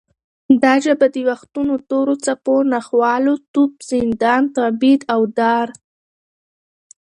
دا ژبه د وختونو تورو څپو، ناخوالو، توپ، زندان، تبعید او دار